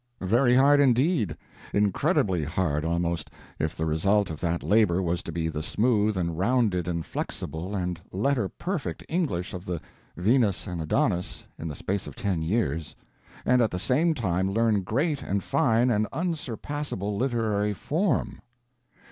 Very hard indeed; incredibly hard, almost, if the result of that labor was to be the smooth and rounded and flexible and letter perfect English of the "Venus and Adonis" in the space of ten years; and at the same time learn great and fine and unsurpassable literary form.